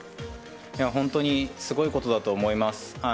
本当にすごいことだと思います。